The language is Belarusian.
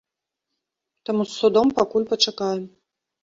Таму з судом пакуль пачакаем.